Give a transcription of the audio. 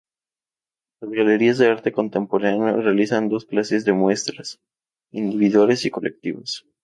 Las galerías de arte contemporáneo realizan dos clases de muestras: individuales y colectivas.